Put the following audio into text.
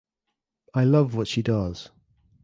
I love what she does.